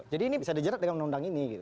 jadi ini bisa dijerat dengan undang undang ini